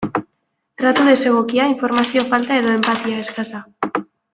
Tratu desegokia, informazio falta edo enpatia eskasa.